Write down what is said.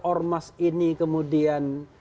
ormas ini kemudian